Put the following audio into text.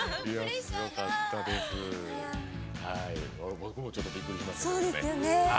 僕もちょっとびっくりしました。